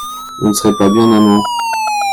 vous ne serez pas bien amañ.